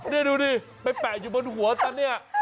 นี่ดูดิไปแปะอยู่บนหัวซะเนี่ย